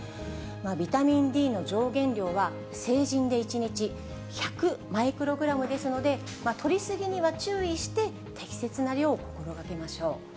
ビタミンＤの上限量は、成人で１日１００マイクログラムですので、とり過ぎには注意して、適切な量を心がけましょう。